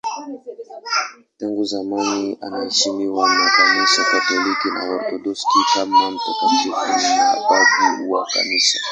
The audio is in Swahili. Tangu zamani anaheshimiwa na Kanisa Katoliki na Waorthodoksi kama mtakatifu na babu wa Kanisa.